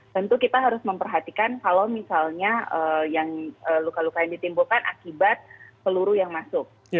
tentu kita harus memperhatikan kalau misalnya yang luka luka yang ditimbulkan akibat peluru yang masuk